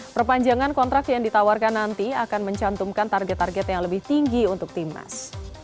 perpanjangan kontrak yang ditawarkan nanti akan mencantumkan target target yang lebih tinggi untuk timnas